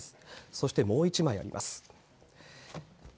そしてもう１枚あります。